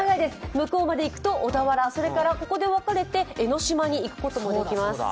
向こうまで行くと小田原、ここで分かれて江の島に行くこともできます。